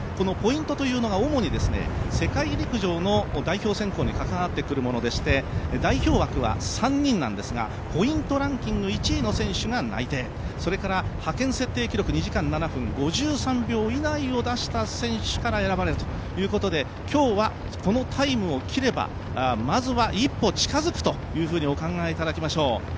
ポイントというのが主に世界陸上の代表選考に関わってくるものでして代表枠は３人なんですがポイントランキング１位の人が内定それから、派遣設定記録２時間７分５３秒以内を出した選手から選ばれるということで、今日はこのタイムを切ればまずは一歩近づくというふうにお考えいただきましょう。